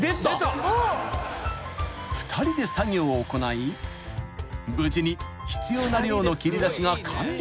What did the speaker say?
［２人で作業を行い無事に必要な量の切り出しが完了］